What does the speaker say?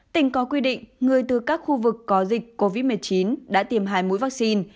tỉnh có quy định người từ các khu vực có dịch covid một mươi chín đã tiêm hai mũi vaccine